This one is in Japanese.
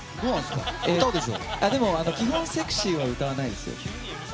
でも、基本セクシーは歌わないですよ。